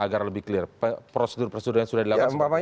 agar lebih clear prosedur prosedur yang sudah dilakukan